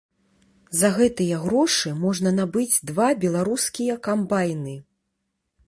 За гэтыя грошы можна набыць два беларускія камбайны!